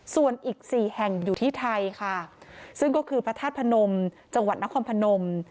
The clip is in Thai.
ส่วนอีกสี่แห่งอยู่ที่ไทยค่ะซึ่งก็คือพระธาตุพนมจังหวัดนครพนม